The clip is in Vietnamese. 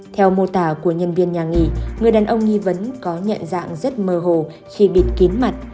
theo mô tả của nhân viên nhà nghỉ người đàn ông nghi vấn có nhẹ dạng rất mơ hồ khi bịt kín mặt